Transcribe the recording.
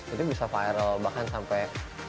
itu bisa viral bahkan sampai